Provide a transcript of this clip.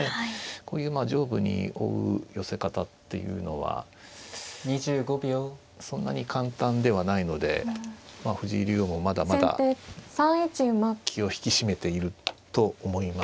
こういう上部に追う寄せ方っていうのはそんなに簡単ではないので藤井竜王もまだまだ気を引き締めていると思いますね。